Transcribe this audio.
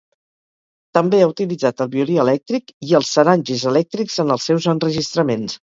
També ha utilitzat el violí elèctric i els sarangis elèctrics en els seus enregistraments.